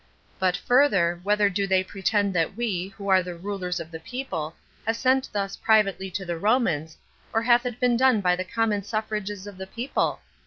But further, whether do they pretend that we, who are the rulers of the people, have sent thus privately to the Romans, or hath it been done by the common suffrages of the people?